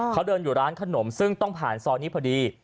เขาเดินอยู่ร้านขนมซึ่งต้องผ่านซอยนี้พอดี